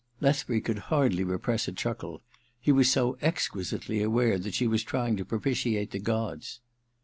Lethbury could hardly repress a chuckle : he was so exquisitely aware that she was trying to propitiate the gods.